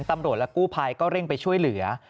ตำรวจและกู้ภัยก็เร่งไปช่วยเหลือ